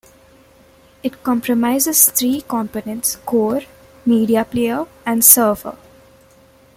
It comprises three components, "Core", "Media Player", and "Server".